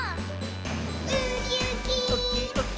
「ウキウキ」ウキウキ。